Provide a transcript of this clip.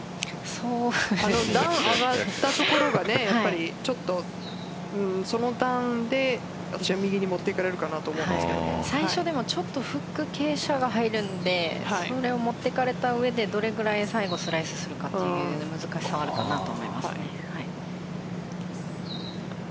段が上がったところがその段で右に持ってかれるかなと最初、ちょっとフック傾斜が入るのでそれを持っていかれた上でどれぐらい最後スライスするのかという難しさはあるのかなと思います。